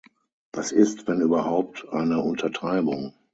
Das ist wenn überhaupt eine Untertreibung.